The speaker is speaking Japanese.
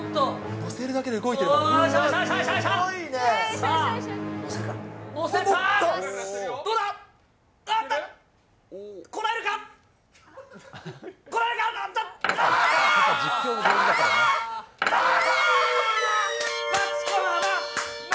載せるだけで動いてるもん。